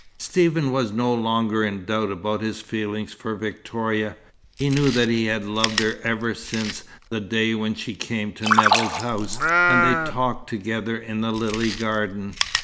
Stephen was no longer in doubt about his feelings for Victoria. He knew that he had loved her ever since the day when she came to Nevill's house, and they talked together in the lily garden.